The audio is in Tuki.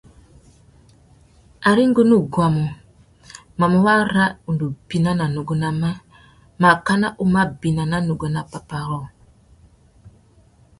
Ari ngu nú guamú, mamú wara undú bina nà nuguá namê makana u má bina ná nuguá nà pápá rôō .